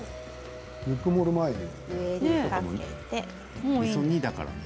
ぬくもる前に。